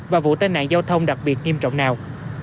và vụ tai nạn giao thông đặc biệt nghiêm trọng nào